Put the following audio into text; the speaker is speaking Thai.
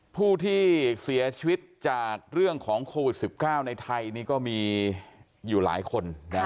ผู้ที่เสียชีวิตจากเรื่องของโควิด๑๙ในไทยนี่ก็มีอยู่หลายคน